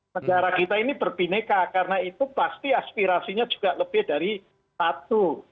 negara kita ini berbineka karena itu pasti aspirasinya juga lebih dari satu